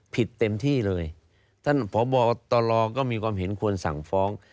เต็มที่เลยท่านพบตรก็มีความเห็นควรสั่งฟ้อง